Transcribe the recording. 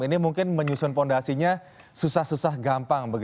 ini mungkin menyusun fondasinya susah susah gampang